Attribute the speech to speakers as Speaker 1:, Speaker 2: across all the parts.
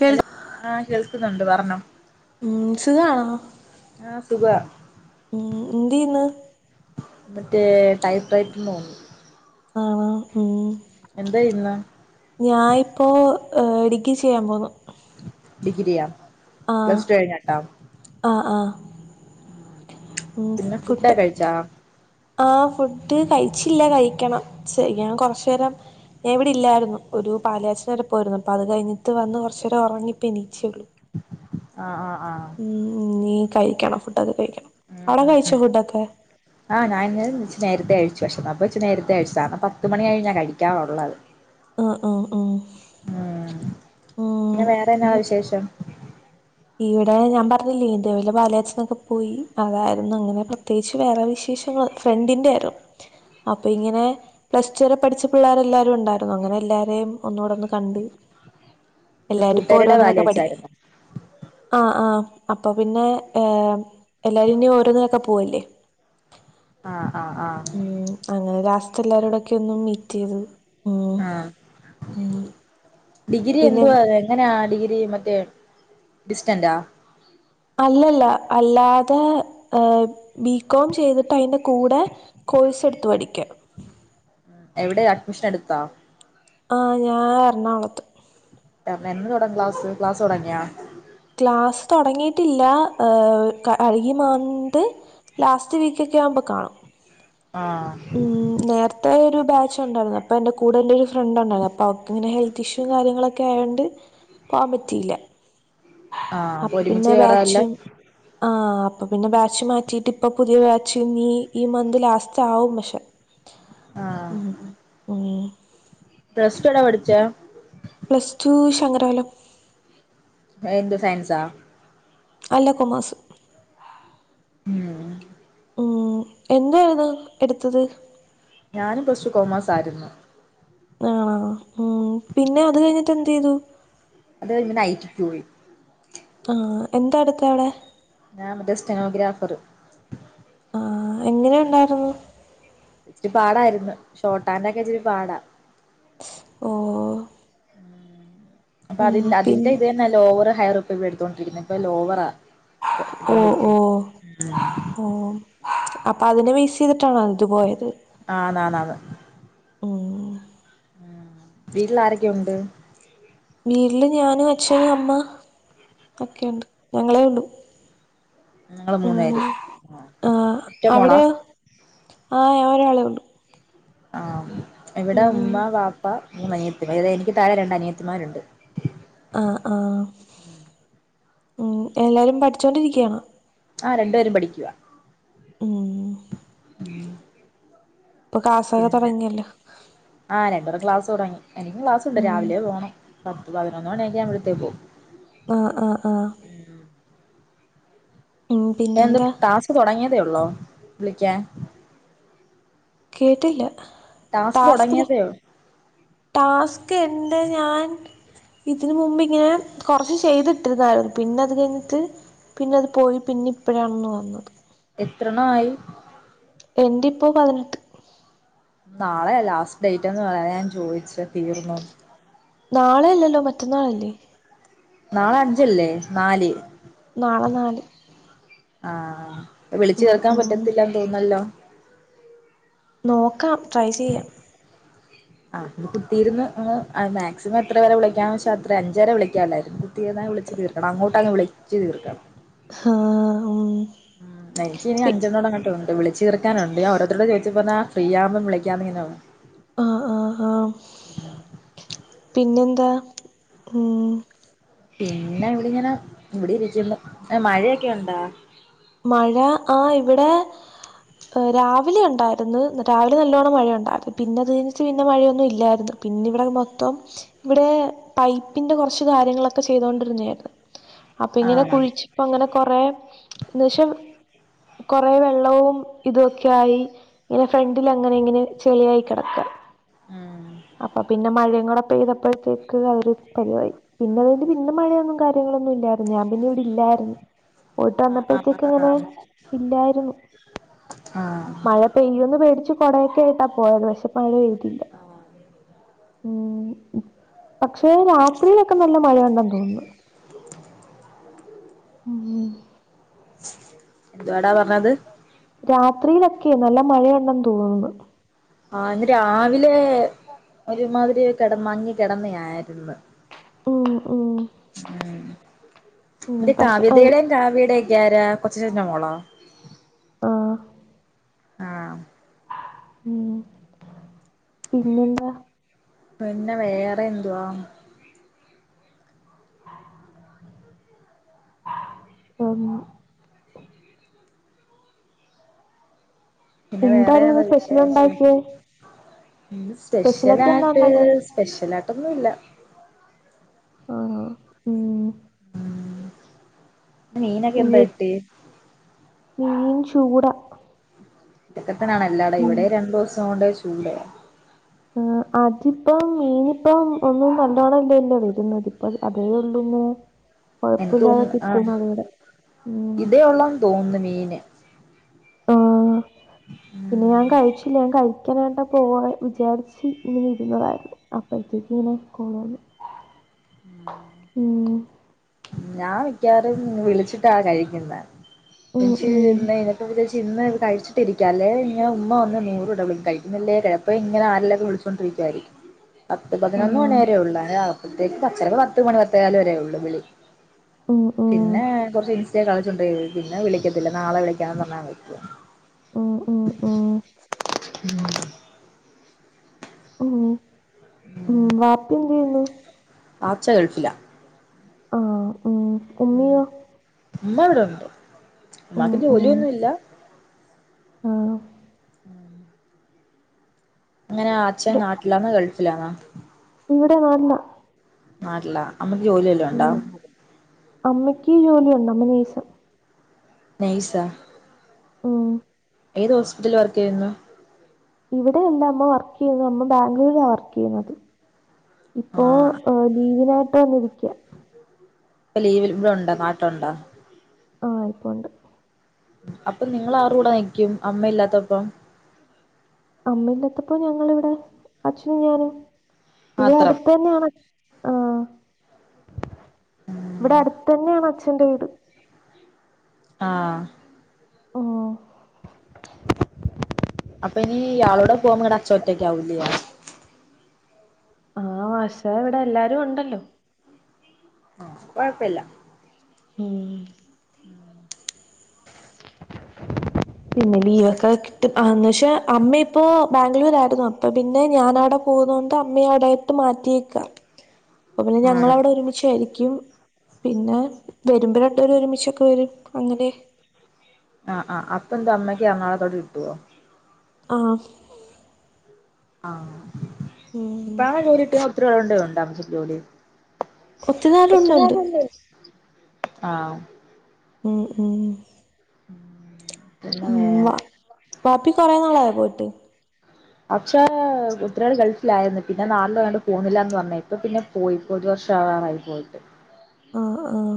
Speaker 1: കേൾ
Speaker 2: hello ആഹ് കേൾക്കുന്നുണ്ട് പറഞ്ഞോ
Speaker 1: ഉം സുഖാണോ
Speaker 2: ആഹ് സുഖവാ
Speaker 1: ഉം എന്തെയ്യുന്നു
Speaker 2: മറ്റേ ടൈപ്പറൈറ്റ് ന് പോണു
Speaker 1: ആ ഉം
Speaker 2: എന്തായിന്നു
Speaker 1: ഞാനിപ്പോ ഏഹ് ഡിഗ്രി ചെയ്യാൻ പോന്നു
Speaker 2: ഡിഗ്രിയ
Speaker 1: ആഹ്
Speaker 2: പ്ലസ് ടു കഴിഞ്ഞട്ട
Speaker 1: ആഹ് ആഹ് ഉം
Speaker 2: പിന്നെ ഫുഡൊക്കെ
Speaker 1: ഫുഡ്
Speaker 2: കഴിച്ചാ
Speaker 1: ആ ഫുഡ് കഴിച്ചില്ല കഴിക്കണം ശ ഞാൻ കൊറച്ചുനേരം ഞാൻ ഇവിടെ ഇല്ലായിരുന്നു ഒരു പാലായാച്ചന വരെ പോയിരുന്നു അപ്പൊ അത് കഴിഞ്ഞട്ട് വന്ന് കുറച്ച് നേരം ഉറങ്ങിപ്പോ എണിച്ചേള്ളൂ
Speaker 2: ആഹ ആഹ ആഹ
Speaker 1: ഉം നീ കഴിക്കണം ഫുഡൊക്കെ കഴിക്കണം അടെ കഴിച്ചോ ഫുഡൊക്കെ
Speaker 2: ആ ഞാന ഇ നേരത്തെ അഴിച്ചു പക്ഷേ അപ്പോ ഉച്ചച്ച് നേരത്തെ അഴിച്ചതാ പത്ത് മണികയിങ ഞൻ കഴിക്കാറുള്ളത്.
Speaker 1: ആഹ ആഹ് ആഹ്
Speaker 2: ഉമ് പിന്നെ വേറെന്നാ
Speaker 1: ഉം
Speaker 2: വിശേഷം
Speaker 1: ഇവിടെ ഞാൻ പറഞ്ഞില്ലേ ഇന്ത്യെ പല് കച്ചലിനെക്കെ പോയി. അതായിരുന്നു അങ്ങനെ പ്രത്യേകിച്ച് വേറെ വിശേഷങ്ങൾ ഫ്രണ്ടിന്റെ ആരോ അപ്പൊ ഇങ്ങനെ പ്ലസ്ടുരെ പഠിച്ച പിള്ളേരെ എല്ലാരും ഉണ്ടായിരുന്നു അങ്ങനെ എല്ലാരെയും ഒന്നുട ഒന്ന് കണ്ട്
Speaker 2: ഇത്
Speaker 1: എല്ലാരും ഇപ്പോ
Speaker 2: കൂട്ടുകാരിയുടെ പാല്
Speaker 1: ഓരോന്നിനൊക്കെ പഠിക്ക
Speaker 2: കാച്ചായിരുന്നോ
Speaker 1: ആഹ ആഹ് അപ്പൊ പിന്നെ എല്ലാരും ഇന്ന് ഓരോന്നരൊക്കെ പോവല്ലേ? [inaudible]
Speaker 2: ആഹ് ആഹ് ആഹ
Speaker 1: ഉ അങ്ങനെ ലാസ്റ്റ് എല്ലാരോടൊക്കെ ഒന്നും മീറ്റ് ചെയ്തു.
Speaker 2: ആഹ് ഡിഗ്രി
Speaker 1: പിന്നെ
Speaker 2: എന്തുവ എങ്ങനെ ഡിഗ്രി മറ്റേ ഡിസ്റ്റൻറാ
Speaker 1: അല്ലല്ല അല്ലാതെ ഹ് ബികോം ചെയ്തിട്ട്. അതിന്റെ കൂടെ കോഴസ് എടുത്തു പടിക്ക
Speaker 2: എവിടെ അഡ്മിഷൻ എടുത്തോ
Speaker 1: ആ ഞാൻ എറണാകുളത്ത്.
Speaker 2: ന്ന് തുടാ ക്ലാസ് ക്ലാസ് തുടങ്ങിയാ
Speaker 1: ക്ലാസ് തുടങ്ങിയിട്ടില്ല കഴകി ഈ മന്ത്. ലാസ്റ്റ് വീക്കൊക്കെ ആവുമ്പോ കാണും
Speaker 2: ആഹ്
Speaker 1: ഉമ് നേരത്തെ ഒരു ബാച്ച് ഉണ്ടായിരുന്നു അപ്പൊ എന്റെ കൂടെ എന്റെ ഒരു ഫ്രണ്ട് ഉണ്ടായിരുന്നു അപ്പൊ അവക്ക് ഇങ്ങനെ ഹെൽത്ത് ഇഷ്യൂ [unintelligible] കാര്യങ്ങളൊക്കെ ആയതൊണ്ട് പോകാൻ പറ്റിയില്ല
Speaker 2: ആഹ്
Speaker 1: അപ്പൊ
Speaker 2: ഒരുമിച്ച്
Speaker 1: പിന്നെ
Speaker 2: കേറാല്ലേ
Speaker 1: ബാച്ച് ആഹ് ആഹ് അപ്പൊ പിന്നെ ബാച്ച് മാറ്റിട്ട് ഇപ്പ പുതിയ ബാച്ച് നീ ഈ മന്ത് ലാസ്റ്റ് ആവും പക്ഷെ
Speaker 2: ആഹ്
Speaker 1: ഉ ഉം
Speaker 2: പ്ലസ് ടു എവിടെ പഠിച്ചു
Speaker 1: പ്ലസ് ടു ശങ്കരവലം.
Speaker 2: [unintelligible] സയൻസാ
Speaker 1: അല്ല കോമസ്
Speaker 2: ഉമ്
Speaker 1: ഉമ് എന്തായിരുന്നു എടുത്തത്
Speaker 2: ഞാനും പ്ലസ്ടു കോമേഴ്സ് ആയിരുന്നു
Speaker 1: ആണാ ഉ പിന്നെ അത് കഴിഞ്ഞിട്ട് എന്ത് ചെയ്തു.
Speaker 2: [unintelligible]
Speaker 1: ആഹ് എന്താ അടുത്ത അവിടെ
Speaker 2: ഞാൻ മറ്റേ സ്റ്റെനോഗ്രാഫർ
Speaker 1: ആ എങ്ങനെ ഉണ്ടായിരുന്നു.
Speaker 2: ഇച്ചിരി പാടായിരുന്നു ഷോർട്ടാന്റെ ഒക്കെ ഇച്ചിരി പാടാ
Speaker 1: ഓഹ്
Speaker 2: അപ്പൊ
Speaker 1: ഉം
Speaker 2: അതി
Speaker 1: പിൻ
Speaker 2: അതിന്റെ ഇത് തന്നെ ലോവറ് ഹയർ ഇപ്പ ഇ എടുത്തോൊണ്ടിരിക്കുന്നത് ഇപ്പൊ ലോവറാ.
Speaker 1: ഓഹ്
Speaker 2: എടുത്തോണ്ടിരിക്കുന്നെ
Speaker 1: ഓഹ്
Speaker 2: ഉം
Speaker 1: ആഹ് അപ്പൊ അതിനെ വേസ് ചെയ്തിട്ടാണോ അതു പോയത്
Speaker 2: ആണ ണ്ത്
Speaker 1: ഉം
Speaker 2: ഉമ് വീട്ടിൽ ആരൊക്കെയ ഉണ്ട്
Speaker 1: വീട്ടില് ഞാനും, അച്ഛനും, അമ്മ, ഒക്കെുണ്ട് ഞങ്ങളെ ഉള്ളു.
Speaker 2: ഞങ്ങള് മൂന്നേര് ഒറ്റ മോളാ
Speaker 1: ആഹ് ഞാൻ ഒരാളെ ഉള്ളു
Speaker 2: ആഹ് ഇവിടെ
Speaker 1: ഉം
Speaker 2: ഉമ്മ, പാപ്പ മൂന്ന് അനിയത്തിമാര് എനിക്ക് തഴെ രണ്ട് അനിയത്തിമാരുണ്ട്
Speaker 1: ആഹ് ആഹ് ഉം എല്ലാരും പഠിച്ചോണ്ടിരിക്കാണോ?
Speaker 2: ആഹ് രണ്ടു പേരും പഠിക്കുവാ.
Speaker 1: ഉം
Speaker 2: ഉം.
Speaker 1: ഇപ്പൊ ക്ലാസ്സൊക്കെ
Speaker 2: പിന്നെ
Speaker 1: തുടങ്ങിയല്ലോ
Speaker 2: ആഹ് രണ്ട്പേരും ക്ലാസ് തുടങ്ങി എനിക്കും ക്ലാസ്ണ്ട്
Speaker 1: ഉം
Speaker 2: രാവിലെ പോണം. പത്ത് പതിനൊന്ന് മണിയൊക്കെ ആവുമ്പോത്തേക്കും.
Speaker 1: ആഹ് ആഹ് ആഹ് ഉം
Speaker 2: ന്ത്
Speaker 1: പിന്നെന്താ
Speaker 2: ട്ടാസ്ക് തൊടങ്ങിയതേ ഒള്ളാേ വിളിക്കാൻ
Speaker 1: കേട്ടില്ല ടാസ്ക് ത് ടാസ്ക് എന്ത് ഞാൻ. ഇതിന് മുമ്പ് ഇങ്ങനെ കൊറച്ച് ചെയ്തിട്ട് ന്ന പിന്നെ അത് കയ്ഞ്ഞിട്ട് പിന്നെ അത് പോയി പിന്നെ ഇപ്പഴാണെന്ന് വന്നത്
Speaker 2: എത്രെണ്ണായ്?
Speaker 1: എന്റിപ്പം പതിനെട്ട്
Speaker 2: നാളെയാ ലാസ്റ്റ് ഡേറ്റെന്ന് പറഞ്ഞെ അതാ ഞാൻ ചോയ്ച്ചെ തീർന്നോന്ന്
Speaker 1: നാളെ അല്ലല്ലോ മറ്റന്നാളല്ലേ
Speaker 2: നാളെ അഞ്ചല്ലേ നാല്
Speaker 1: നാളെ നാല്
Speaker 2: ആഹ് വിളിച്ചു
Speaker 1: ഉം
Speaker 2: കേൾക്കാൻ
Speaker 1: ഉം
Speaker 2: പറ്റത്തില്ലന്ന് തോന്നല്ലോ.
Speaker 1: നോക്കാം ട്രൈ ചെയ്യാം.
Speaker 2: ആഹ് കുത്തിയിര്ന്ന് മാക്സിമം എത്രെ പേരെ വിളിക്കാന്ന് വെച്ച അത്രെ അഞ്ചേരെ വിളിക്കാല്ലാരും തീർന്നാ വിളിച്ച് തീർക്കണം അങ്ങോട്ടങ്ങ് വിളിച്ച് തീർക്കണം
Speaker 1: ഹാഹ് ഉം
Speaker 2: ഉം എൻക്ക്നി
Speaker 1: പി
Speaker 2: അഞ്ചെണ്ണ [unintelligible] അങ്ങോട്ട്ണ്ട് വിളിച്ചു തീർക്കാനുണ്ട് ഓരുത്തരോട് ചോദിച്ചപ്പ താ ഫ്രിയാവ്മ്പം വിളിക്കാന്ന്ങ്ങെനാവും
Speaker 1: ആഹ് ആഹ് ആഹ് പിന്നെന്താ ഉം
Speaker 2: പിന്ന ഇവിടെ ഇങ്ങനെ ഇവിടെ ഇരിക്കുന്നു മഴയൊക്കെ ഉണ്ട?
Speaker 1: മഴ ആഹ് ഇവിടെ രാവിലെ ഉണ്ടായിര്ന്ന് രാവിലെ നല്ലോണം മഴ ഉണ്ടായ്ര്ന്നു പിന്നെ അത് കയ്ഞ്ഞ്ട്ട് മഴയൊന്നും ഇല്ലാര്ന്ന് പിന്നെ ഇവിടെ മൊത്തം ഇവിടെ പൈപ്പിന്റെ കൊർച്ച് കാര്യങ്ങളൊക്കെ ചെയ്തോണ്ടിര്ന്നെയായ്ര്ന്ന് അപ്പൊ ഇങ്ങനെ
Speaker 2: ആണോ
Speaker 1: കുഴിച്ച് പ്പ അങ്ങനെ കൊറേ ന്ന് വെച്ചാ കൊറേ വെള്ളവും ഇതുവൊക്കെ ആയി ഇങ്ങെനെ ഫ്രണ്ടിലങ്ങനെ ഇങ്ങെനെ ചെളിയായി കെടക്ക
Speaker 2: ഉം
Speaker 1: അപ്പൊ പിന്നെ മഴയും കൂടെ പെയ്തപ്പഴത്തേക്ക് അതൊരു പരിവായ് പിന്നെ അത് കയ്ട്ട് പിന്നെ മഴയൊന്നും കാര്യങ്ങളൊന്നും ഇല്ലായ്ര്ന്ന് ഞാൻ പിന്നെ ഇവിടെ ഇല്ലായ്ര്ന്ന് പോയിട്ട് വന്ന
Speaker 2: ആഹ് ആഹ് ആഹ് ആഹ്
Speaker 1: അഹ് പെയ്യാന്ന് പേടിച്ച് കൊടെക്ക ആയിട്ടാ പോയരുന്നു പക്ഷെ. മഴ പെയ്തില്ല ഊം ഉം പക്ഷേ രാത്രിയിലൊക്കെ നല്ല മഴ ഉണ്ടന്ന് തോന്നുന്നു. ആഹ്
Speaker 2: എന്തുവാടാ പർഞ്ഞത്
Speaker 1: രാത്രിയിലൊക്കെ നല്ല മഴയുണ്ടെന്ന് തോന്ന്ണ്‌ണ്ട്
Speaker 2: ആഹ് ഇന്ന് രാവിലെ ഒര്മാതിരി കെടെ മങ്ങി കെടെന്നെ ആയിര്ന്ന്
Speaker 1: ഉം ഉം
Speaker 2: ഉം താവ്യതെടെയും കാവ്യെടെക്കെ ആരാ കൊച്ചച്ചെന്റെ മോളോ?
Speaker 1: ആഹ്
Speaker 2: ആഹ്
Speaker 1: ഉം പിന്നെന്താ
Speaker 2: പിന്നെ വേറെ എന്തുവ
Speaker 1: ആം
Speaker 2: പിന്നെ വേറെയാണോ
Speaker 1: എന്തായിരുന്നു സ്പെഷ്യൽ
Speaker 2: വിശേഷം
Speaker 1: ഉണ്ടാക്കിയേ സ്പെഷ്യലൊക്കെ എന്താ
Speaker 2: സ്പെഷ്യലായിട്ട്.
Speaker 1: ഉണ്ടാക്കിയേ
Speaker 2: സ്പെഷ്യലായിട്ടൊന്നും ഇല്ല
Speaker 1: ആഹ് ഉം
Speaker 2: മീനക്കെന്താ
Speaker 1: അയ്യോ
Speaker 2: കിട്ടി
Speaker 1: മീൻ ചൂട
Speaker 2: ഇതക്കത്തന്നെയാണ് എല്ലാടെ ഇവിടെ രണ്ടൂസം കൊണ്ട് ചൂടയാ
Speaker 1: ആഹ് അതിപ്പം ഈനിപ്പം ഒന്നും നല്ലോണംല്ലല്ലോ വരുന്നത് ഇപ്പം അതേ ഉള്ളൂന്ന്
Speaker 2: എനിക്ക്
Speaker 1: കൊഴപ്പില്ലാതെ
Speaker 2: തോന്നുന്നു
Speaker 1: കിട്ടും അതിവിടെ ഉം
Speaker 2: തോന്ന് മീന്.
Speaker 1: ആഹ് പിന്നെ ഞാൻ
Speaker 2: ഉം
Speaker 1: കഴിച്ചില്ല ഞാൻ കഴിക്കാനായിട്ട് പോന്നെ വിചാരിച്ച് ഇങ്ങനെ ഇരുന്നതാരുന്നു. അപ്പഴത്തേക്ക് ഇങ്ങനെ കൊള് വന്ന് മം
Speaker 2: ഞാൻ മിക്കവാറും വിളിച്ചിട്ടാ കഴിക്കുന്നെ
Speaker 1: ഉം
Speaker 2: എനിക്ക്
Speaker 1: ഉം
Speaker 2: ഇന്ന് അയിന് പ്പ വിചാരിച്ച് ഇന്ന് കഴിച്ചിട്ടിരിക്കല്ലേ ഞാ ഉമ്മ വന്ന് നൂറ് വട്ടം വിളിക്കും കഴിക്കുന്നില്ലേ അപ്പ ഇങ്ങനെ ആരെലക്കെ വിളിച്ചു പത്ത്മിന്ട്ടായി
Speaker 1: [inaudible]
Speaker 2: പത്ത് പതിനൊന്ന് മണി
Speaker 1: ആഹ്
Speaker 2: വരെയുള്ളെ അപ്പഴത്തേക്ക് പച്ചരവ് പത്ത് മണി പത്തേകാല് വരേ ഉള്ളു വിളി
Speaker 1: ഉം ഉം
Speaker 2: പിന്നെ കുറച്ച് ഇൻസ്റ്റെ കളിച്ചോണ്ടിരിക്കും പിന്നെ വിളിക്കത്തില്ല നാളെ വിളിക്കാന്ന് പറഞ്ഞ് വെക്കും
Speaker 1: ഓഹ് ഓഹ് മം
Speaker 2: ഉം
Speaker 1: മം മം വാപ്പി എന്ത് ചെയ്യുന്നു
Speaker 2: ആച്ച ഗൾഫില
Speaker 1: ആഹ് ഉം
Speaker 2: ആഹ്
Speaker 1: ഉമ്മിയോ
Speaker 2: ഉമ്മ ഇവിടെ ഉണ്ട്.
Speaker 1: ഉം
Speaker 2: ഉമ്മാക്ക്
Speaker 1: ഉം
Speaker 2: ജോലിയൊന്നുംല്ല
Speaker 1: ആഹ്
Speaker 2: അങ്ങനെ അച്ഛൻ നാട്ടിലാന്നാ ഗൾഫിലാന്ന?
Speaker 1: ഇവിടെ വന്ന
Speaker 2: നാട്ടില അമ്മക്ക് ജോലിയല്ല
Speaker 1: ഉം അമ്മയ്ക്ക് ജോലിയൊണ്ട്. അമ്മ നേഴ്സ
Speaker 2: നൈസ്യ
Speaker 1: ഉം
Speaker 2: ഏത് ഹോസ്പിറ്റലിൽ വർക്ക് ചെയ്യുന്നു
Speaker 1: ഇവിടെല്ല അമ്മ വർക്ക് ചെയ്ന്നത് അമ്മ ബാംഗ്ലൂരാ വർക്ക് ചെയ്യുന്നത്.
Speaker 2: ആ
Speaker 1: ഇപ്പോഏഹ് ലീവിനായിട്ട് വന്നിരിക്
Speaker 2: ഇപ്പൊ ലീവ്ള് ഇവിടെ ഒണ്ട നാട്ടിലൊണ്ട
Speaker 1: ആഹ് ഇപ്പോണ്ട്
Speaker 2: അപ്പൊ നിങ്ങള് ആര്ടെ കൂടെ നിക്കും അമ്മയില്ലാത്തപ്പം
Speaker 1: അമ്മയില്ലാത്തപ്പോ ഞങ്ങള് ഇവിടെ അച്ഛനും ഞാനും ഇവിടെ
Speaker 2: മാത്രം
Speaker 1: അടുത്ത തന്നെയാണ് അച് ആഹ് ഇവിടെ
Speaker 2: ഉം
Speaker 1: അടുത്ത് തന്നെയാണ് അച്ഛന്റെ വീട്
Speaker 2: ആഹ്
Speaker 1: ഓഹ്
Speaker 2: അപ്പൊ ഇനി ഇയാളൂടെ പോകുമ്പോ നിങ്ങട അച്ച ഒറ്റക്കാവൂല്ലേ
Speaker 1: ആഹ് പക്ഷെ ഇവിടെ എല്ലാരും ഒണ്ടല്ലോ
Speaker 2: ആഹ് കൊഴപ്പില്ല.
Speaker 1: മം പിന്നെ ലീവൊക്കെ കിട്ടും ആന്ന് പക്ഷെ അമ്മ ഇപ്പോ ബാംഗ്ലൂരാരുന്നു അപ്പൊ പിന്നെ ഞാനവിടെ പോകുന്നോണ്ട് അമ്മയെ അവിടെട്ട് മാറ്റിയേക്കാ അപ്പ പിന്നെ
Speaker 2: ആ
Speaker 1: ഞങ്ങളവിടെ ഒരുമിച്ചാരിക്ക് ക്കും പിന്നെ വരുമ്പോ രണ്ടുപെരും ഒരുമിച്ചൊക്കെ വരും അങ്ങനെ
Speaker 2: ആഹ് ആഹ് അപ്പെന്താ അമ്മക്ക് എറണാകുളത്തോട്ട് കിട്ടുവോ?
Speaker 1: ആഹ്
Speaker 2: ആഹ്
Speaker 1: ഉം
Speaker 2: ഇപ്പാണോ ജോലികിട്ടാ ഒത്തിരിനാള് കൊണ്ടേ ഒണ്ട അമ്മക്ക് ജോലി.
Speaker 1: ഒത്തിരി നേരം ഉണ്ടുണ്ട്
Speaker 2: കൊച്ചുങ്ങളൊക്കെ എന്തെ ആഹ്
Speaker 1: ഉം ഉം
Speaker 2: പിന്നെ
Speaker 1: ഉം വ
Speaker 2: വേറെ
Speaker 1: വാപ്പി കൊറെ നാളായ പോയിട്ട്
Speaker 2: പക്ഷേ ഒത്തിരിനാള് ഗൾഫിലായിരുന്നു പിന്നെ നാളിലണ്ട് പോണില്ലാന്ന് പറഞ്ഞ് ഇപ്പൊ പിന്നെ പോയി ഇപ്പൊ ഒരു വർഷം ആകറായി പോയിട്ട്
Speaker 1: ആഹ് ആഹ്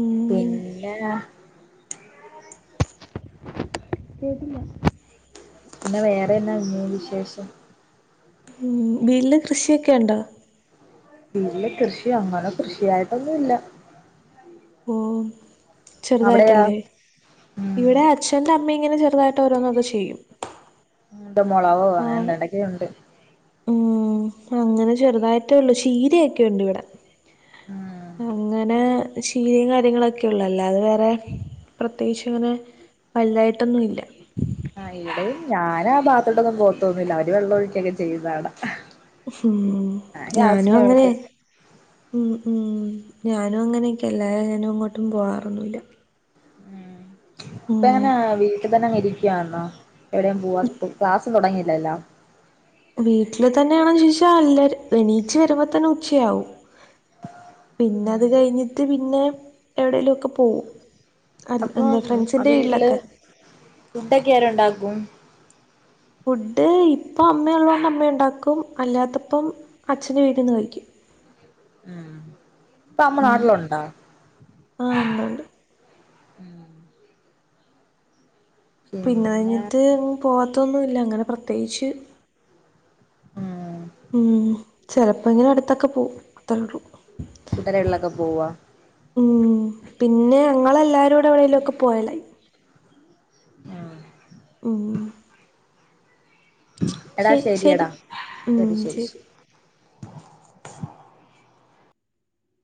Speaker 1: ഉം
Speaker 2: പിന്നെ
Speaker 1: കേട്ടില്ല
Speaker 2: പിന്നെ വേറെ എന്നാന്നെ വിശേഷം?
Speaker 1: ഉം വീട്ടില് കൃഷിയൊക്കെ ഉണ്ടോ?
Speaker 2: ബല്യ കൃഷി അങ്ങനെ കൃഷിയായിട്ടൊന്നും ഇല്ല
Speaker 1: ഓഹ്
Speaker 2: അവിടെയാ
Speaker 1: ചെറുതായിട്ടല്ലേ
Speaker 2: ഉം
Speaker 1: ഇവിടെ അച്ഛന്റെ അമ്മ ഇങ്ങനെ ചെറുതായിട്ട് ഓരോന്നൊക്കെ ചെയ്യും
Speaker 2: ഉണ്ട മുളകോ അങ്ങനെ
Speaker 1: ആഹ്
Speaker 2: എന്താണ്ടൊക്കെയോ ഉണ്ട്
Speaker 1: ഉം അങ്ങനെ ചെറുതായിട്ടേ ഉള്ളൂ ചീരയൊക്കെ ഉണ്ട് ഇവിടെ
Speaker 2: ഉം
Speaker 1: അങ്ങനെ ശീയും കാര്യങ്ങളൊക്കെ ഉള്ള് അല്ലാതെ വേറെ പ്രത്യേകിച്ച് അങ്ങനെ വലുതായിട്ടൊന്നുമില്ല
Speaker 2: ആഹ് ഇവിടെയും ഞാൻ ആ ഭാഗത്തോട്ടൊന്നും പോത്തോന്നില്ല അവര് വെള്ള ഒഴിക്കൊക്കെ ചെയ്യുന്ന കാണാം
Speaker 1: ഉം ഉം
Speaker 2: ഞാൻ
Speaker 1: ഞാനും
Speaker 2: ക്ലാസ്സിന് പോയിട്ട്
Speaker 1: അങ്ങനെയാ ഉം ഉം ഞാനും അങ്ങനെയൊക്കെ അല്ലാതെ ഞാനും എങ്ങോട്ടും പോവാറൊന്നുല്ല
Speaker 2: ഉം ഇപ്പ എങ്ങനെ വീട്ടിൽ തന്നെ അങ്ങ് ഇരിക്കന്നോ? എവിടെേയും പോവാത്തു ക്ലാസ് തുടങ്ങിയില്ലല്ലോ
Speaker 1: വീട്ടില് തന്നെയാണു ചോദിച്ച അല്ല എണീച്ച് വരുമ്പോ തന്നെ ഉച്ചയാകും പിന്നെ അത്
Speaker 2: ഉം
Speaker 1: കഴിഞ്ഞിട്ട് പിന്നെ എവിടേലും ഒക്കെ പോകും അല്ല് എന്താ
Speaker 2: അപ്പം
Speaker 1: ഫ്രണ്ട്സിന്റെ
Speaker 2: വീട്ടില്
Speaker 1: വീട്ടിലൊക്കെ
Speaker 2: ഫുഡൊക്കെ ആര് ഉണ്ടാക്കും?
Speaker 1: ഫുഡ് ഇപ്പം അമ്മ ഉള്ളത് കൊണ്ട് അമ്മ ഉണ്ടാക്കും, അല്ലാത്തപ്പം അച്ഛൻ്റെ വീട്ടിൽന്ന് കഴിക്കും
Speaker 2: ആഹ് ഇപ്പ അമ്മ
Speaker 1: ഉം
Speaker 2: നാട്ടിലുണ്ടാ
Speaker 1: ആഹ് ഉണ്ട് ഉണ്ട് പിന്നെ അത് കഴിഞ്ഞിട്ട് പോവാത്തൊന്നുല്ല അങ്ങനെ പ്രത്യേകിച്ച്
Speaker 2: ആഹ്
Speaker 1: ഉം ചെലപ്പോ ഇങ്ങനെ അടുത്തൊക്കെ പോകും അത്രേ ഉള്ളൂ
Speaker 2: കുട്ടരകള്ളൊക്കെ പോവ
Speaker 1: ഉം പിന്നെ ഞങ്ങളെല്ലാരും കൂടെ എവിടെലും ഒക്കെ പോയലായി
Speaker 2: ആഹ്
Speaker 1: ഉം
Speaker 2: എടാ
Speaker 1: ശരി ശരി
Speaker 2: ശരിയടാ
Speaker 1: ഉം ശരി